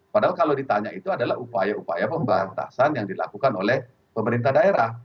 padahal kalau ditanya itu adalah upaya upaya pembatasan yang dilakukan oleh pemerintah daerah